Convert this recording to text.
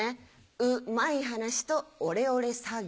うまい話とオレオレ詐欺。